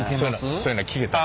そういうのは聴けたり？